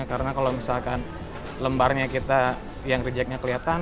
karena kalau misalkan lembarnya kita yang rejeknya kelihatan